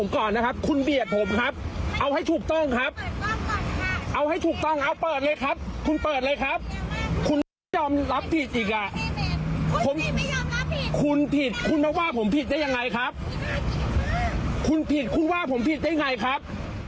คุณผิดคุณเขาว่าผมผิดได้ยังไงครับ